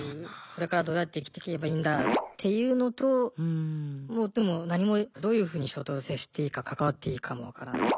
これからどうやって生きていけばいいんだっていうのともうでも何もどういうふうに人と接していいか関わっていいかも分からない。